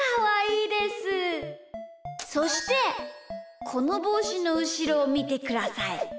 そしてこのぼうしのうしろをみてください。